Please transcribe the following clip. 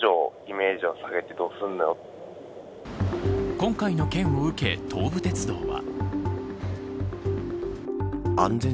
今回の件を受け、東武鉄道は。